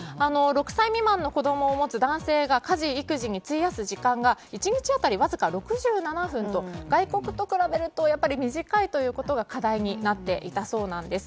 ６歳未満の子供を持つ男性が家事・育児に費やす時間が１日当たりわずか６７分と外国と比べるとやっぱり短いということが課題になっていたそうなんです。